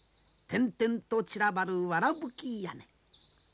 点々と散らばる藁葺き屋根。